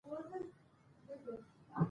زه ارامه یم ځکه چې تمرین مې کړی دی.